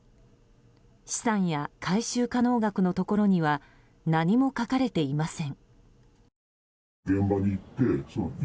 資産や回収可能額のところには何も書かれていません。